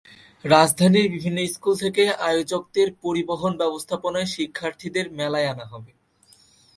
রাজধানীর বিভিন্ন স্কুল থেকে আয়োজকদের পরিবহন ব্যবস্থাপনায় শিক্ষার্থীদের মেলায় আনা হবে।